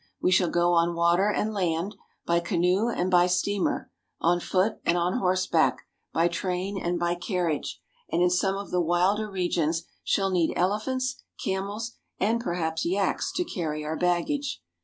We shall go on water and land, by canoe and by steamer, on foot and on horseback, by train and by carriage, and in some of the wilder regions shall need elephants, camels, and perhaps yaks to carry our bag gage.